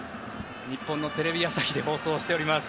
日本のテレビ朝日で放送しております。